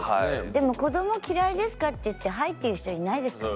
でも「子ども嫌いですか？」って言って「はい」って言う人いないですからね。